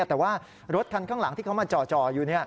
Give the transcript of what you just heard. แต่ว่ารถคันข้างหลังที่เขามาจ่ออยู่